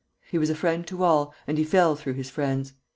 "He was a friend to all, and he fell through his friends.